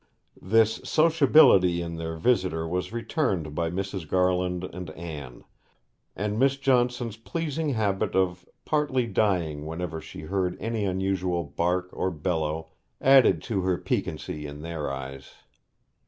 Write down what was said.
This sociability in their visitor was returned by Mrs. Garland and Anne; and Miss Johnson's pleasing habit of partly dying whenever she heard any unusual bark or bellow added to her piquancy in their eyes.